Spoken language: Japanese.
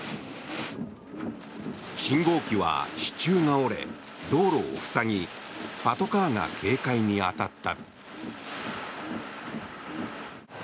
信号機は支柱が折れ道路を塞ぎパトカーが警戒に当たった。